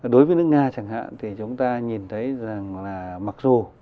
đối với nước nga chẳng hạn thì chúng ta nhìn thấy rằng là mặc dù